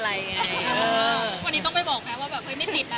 ตอนนี้ต้องไปบอกไหมว่ามี่ติดแนะ